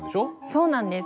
そうなんです。